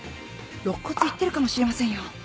肋骨いってるかもしれませんよ。